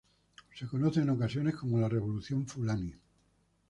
Se conoce en ocasiones como la "revolución fulani".